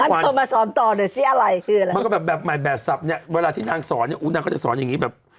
มันก็แบบแบบใหม่แบบซับเนี่ยเวลาที่นางสอนเนี่ยอุ๊ยนางก็จะสอนอย่างงี้แบบ